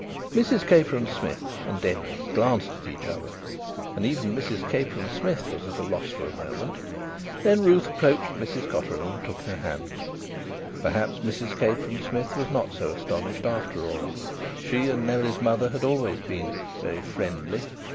Mrs Capron Smith and Denry glanced at each other, and even Mrs Capron Smith was at a loss for a moment. Then Ruth approached Mrs Cotterill and took her hand. Perhaps Mrs Capron Smith was not so astonished after all. She and Nellie's mother had always been "very friendly."